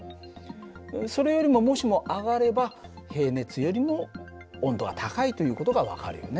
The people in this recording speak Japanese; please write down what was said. それよりももしも上がれば平熱よりも温度が高いという事が分かるよね。